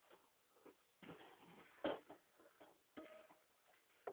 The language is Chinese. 余弦相似性通过测量两个向量的夹角的余弦值来度量它们之间的相似性。